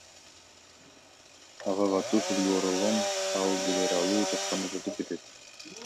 Ага катуу сүлгү оролгон, ал быдыралуу, чапканда тытып кетет.